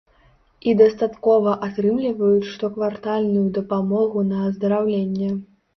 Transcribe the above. І дадаткова атрымліваюць штоквартальную дапамогу на аздараўленне.